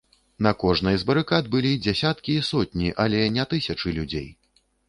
На кожнай з барыкад былі дзясяткі і сотні, але не тысячы людзей.